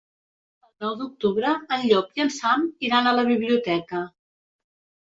El nou d'octubre en Llop i en Sam iran a la biblioteca.